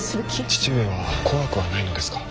父上は怖くはないのですか。